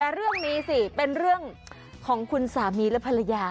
แต่เรื่องนี้สิเป็นเรื่องของคุณสามีและภรรยา